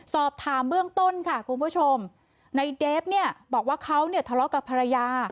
สอบถามเบื้องต้นค่ะคุณผู้ชมในเดฟเนี่ยบอกว่าเขาเนี่ยทะเลาะกับภรรยา